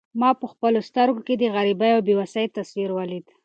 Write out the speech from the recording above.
ما په خپلو سترګو کې د غریبۍ او بې وسۍ تصویر ولید.